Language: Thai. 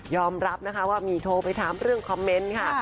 รับนะคะว่ามีโทรไปถามเรื่องคอมเมนต์ค่ะ